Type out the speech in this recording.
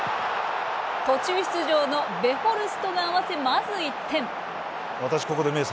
途中出場のベホルストが合わせまず１点。